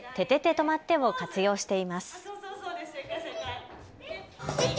とまって！を活用しています。